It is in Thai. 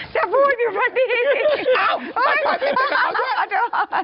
จะพูดอยู่ตอนนี้